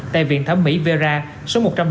tại viện thẩm mỹ vera số một trăm linh bốn